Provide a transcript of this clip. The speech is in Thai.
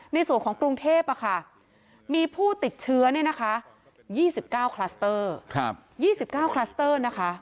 ในส่วนของกรุงเทพฯมีผู้ติดเชื้อ๒๙คลัสเตอร์